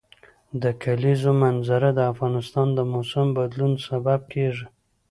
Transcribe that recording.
د کلیزو منظره د افغانستان د موسم د بدلون سبب کېږي.